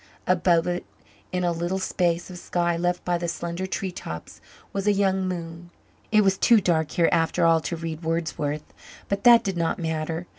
Above it, in a little space of sky left by the slender tree tops, was a young moon. It was too dark here after all to read Wordsworth, but that did not matter.